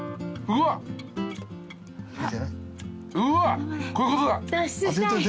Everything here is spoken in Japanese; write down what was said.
うわっこういうことだ。